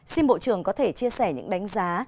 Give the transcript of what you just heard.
xin bộ trưởng có thể chia sẻ những đánh giá